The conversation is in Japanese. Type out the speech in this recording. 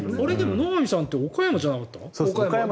野上さんって岡山じゃなかった？